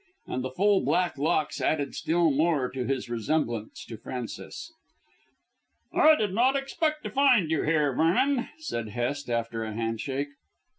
And the full black locks added still more to his resemblance to Frances. "I did not expect to find you here, Vernon," said Hest after a handshake.